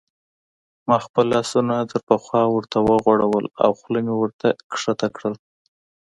ما خپل لاسونه تر پخوا ورته وغوړول او خوله مې ورته کښته کړل.